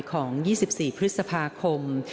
ของ๒๔พฤษภาคม